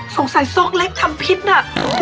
สงสัยสกเล็กทำพิษน่ะ